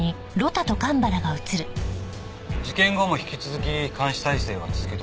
事件後も引き続き監視態勢は続けております。